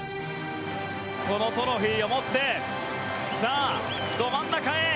このトロフィーを持ってさあ、ど真ん中へ。